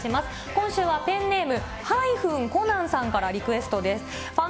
今週はペンネーム、ハイフン・コナンさんからリクエストです。